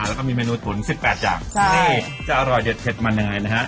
แล้วก็มีเมนูตุ๋น๑๘อย่างนี่จะอร่อยเด็ดเผ็ดมันยังไงนะฮะ